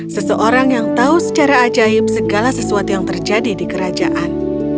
seseorang yang tahu secara ajaib segala sesuatu yang terjadi di kerajaan